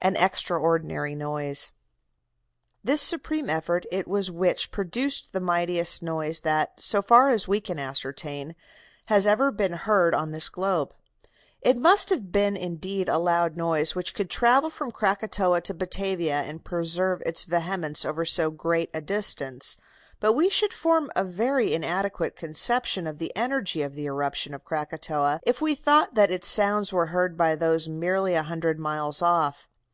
AN EXTRAORDINARY NOISE "This supreme effort it was which produced the mightiest noise that, so far as we can ascertain, has ever been heard on this globe. It must have been indeed a loud noise which could travel from Krakatoa to Batavia and preserve its vehemence over so great a distance; but we should form a very inadequate conception of the energy of the eruption of Krakatoa if we thought that its sounds were heard by those merely a hundred miles off.